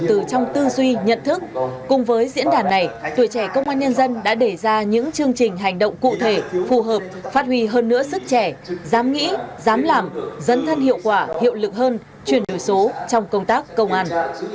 từ trong tư duy nhận thức cùng với diễn đàn này tuổi trẻ công an nhân dân đã để ra những chương trình hành động cụ thể phù hợp phát huy hơn nữa sức trẻ dám nghĩ dám làm dẫn thân hiệu quả hiệu lực hơn chuyển đổi số trong công tác công an